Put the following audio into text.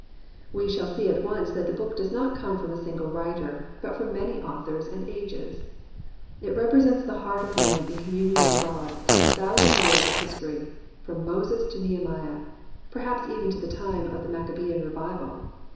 We shall see at once that the book does not come from a single writer, but from many authors and ages. It represents the heart of man in communion with God through a thousand years of history, from Moses to Nehemiah, perhaps even to the time of the Maccabean revival.